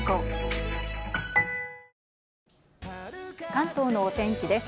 関東のお天気です。